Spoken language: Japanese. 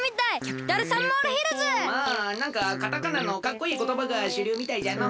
まあなんかカタカナのかっこいいことばがしゅりゅうみたいじゃの。